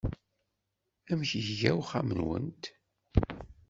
Amek iga uxxam-nwent?